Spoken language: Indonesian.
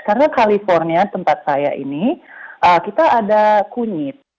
karena california tempat saya ini kita ada kunyit